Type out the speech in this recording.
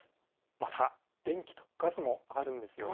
また、電気とガスも上がるんですよね。